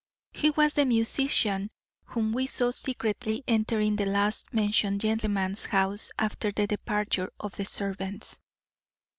He was the musician whom we saw secretly entering the last mentioned gentleman's house after the departure of the servants.